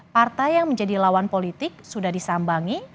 partai yang menjadi lawan politik sudah disambangi